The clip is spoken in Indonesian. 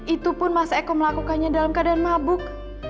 itu pun mas eko melakukannya dalam keadaan mabuk